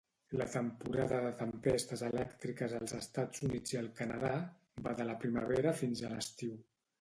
La temporada de tempestes elèctriques als Estats Units i al Canadà va de la primavera fins a l'estiu.